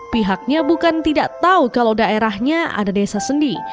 pihaknya bukan tidak tahu kalau daerahnya ada desa sendi